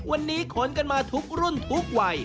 วันนี้ขนกันมาทุกรุ่นทุกวัย